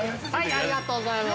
◆ありがとうございます。